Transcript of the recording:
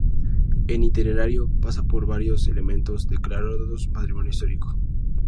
El itinerario pasa por varios elementos declarados patrimonio histórico.